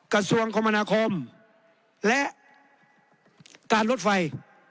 กระทรวงคมนาคมและการลดไฟ